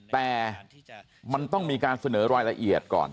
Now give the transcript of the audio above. แต่มันต้องมีการเสนอรายละเอียดก่อน